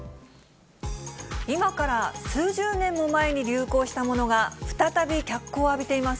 今から数十年も前に流行したものが、再び脚光を浴びています。